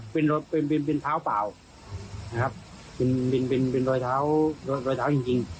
เป็นรอยเท้าเปล่าเป็นรอยเท้าจริง